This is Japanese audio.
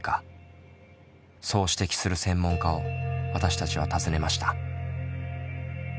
そう指摘する専門家を私たちは訪ねました。